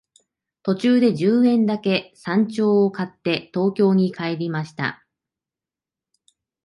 途中で十円だけ山鳥を買って東京に帰りました